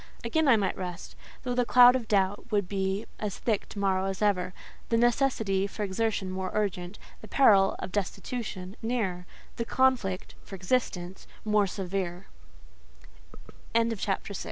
Again I might rest: though the cloud of doubt would be as thick to morrow as ever; the necessity for exertion more urgent, the peril (of destitution) nearer, the conflict (for existence) more severe. CHAPTER VII. VILLETTE.